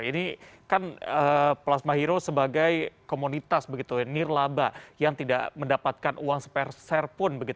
ini kan plasma hero sebagai komunitas nirlaba yang tidak mendapatkan uang seperserpun